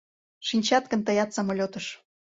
Шинчат гын тыят самолетыш.